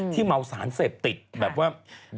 เมาสารเสพติดแบบว่า